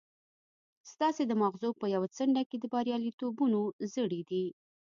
ستاسې د ماغزو په يوه څنډه کې د برياليتوبونو زړي دي.